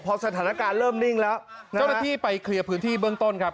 พอสถานการณ์เริ่มนิ่งแล้วเจ้าหน้าที่ไปเคลียร์พื้นที่เบื้องต้นครับ